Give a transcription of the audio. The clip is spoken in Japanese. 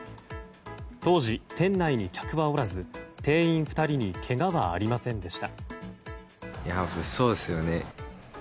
当時店内に客はおらず店員２人にけがはありませんでした。